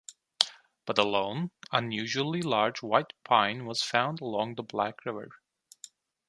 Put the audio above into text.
But a lone, unusually large white pine was found along the Black River.